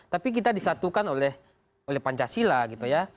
tapi kita disatukan oleh pancasila gitu ya